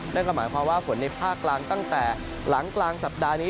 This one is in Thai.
นั่นก็หมายความว่าฝนในภาคกลางตั้งแต่หลังกลางสัปดาห์นี้